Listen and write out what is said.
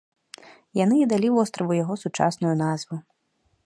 Яны і далі востраву яго сучасную назву.